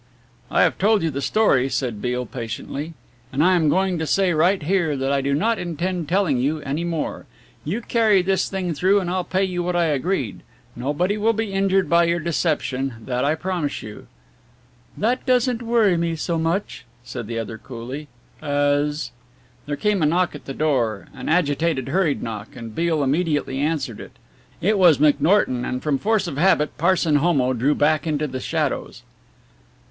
"I have told you the story," said Beale patiently, "and I am going to say right here that I do not intend telling you any more. You carry this thing through and I'll pay you what I agreed. Nobody will be injured by your deception, that I promise you." "That doesn't worry me so much," said the other coolly, "as " There came a knock at the door, an agitated hurried knock, and Beale immediately answered it. It was McNorton, and from force of habit Parson Homo drew back into the shadows.